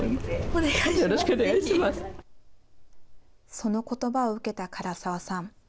そのことばを受けた柄沢さん。